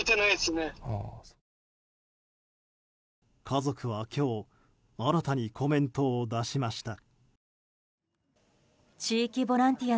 家族は今日新たにコメントを出しました。